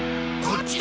こっち！